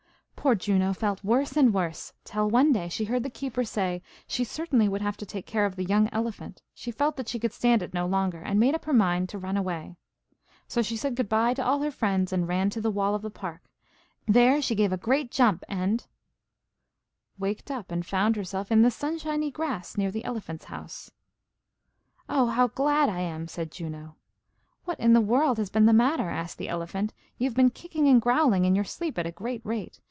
Poor Juno felt worse and worse, till when one day she heard the keeper say she certainly would have to take care of the young elephant, she felt that she could stand it no longer, and made up her mind to run away. So she said good bye to all her friends, and ran to the wall of the park. There she gave a great jump, and, waked up, and found herself in the sunshiny grass near the elephant's house. "Oh, how glad I am!" said Juno. "What in the world has been the matter?" asked the elephant. "You've been kicking and growling in your sleep at a great rate.